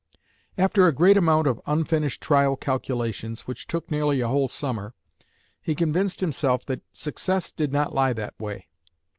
After a great amount of unfinished trial calculations, which took nearly a whole summer, he convinced himself that success did not lie that way.